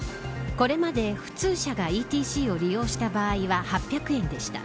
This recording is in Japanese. これまで普通車がＥＴＣを利用した場合は８００円でした。